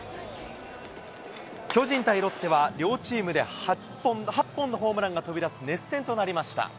巨人対ロッテは両チームで８本のホームランが飛び出す熱戦となりました。